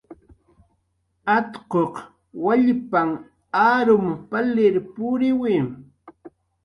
Atquq wallpanh arum palir puriwi.